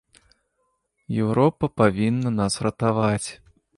Еўропа павінна нас ратаваць.